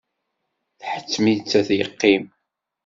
Tḥettem-it ad yeqqim.